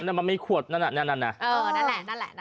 มันไม่มีขวดนั่นนั่น